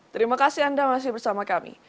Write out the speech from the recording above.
terima kasih anda masih bersama kami